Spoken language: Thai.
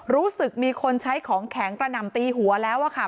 รู้สึกมีคนใช้ของแข็งกระหน่ำตีหัวแล้วอะค่ะ